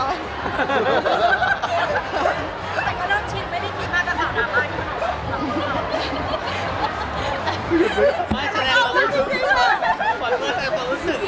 มีความเห็นว่าขวัญเมืองทำอะไรบ้างเลย